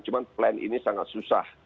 cuma plan ini sangat susah